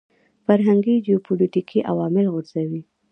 فرهنګي جیوپولیټیکي عوامل غورځوي.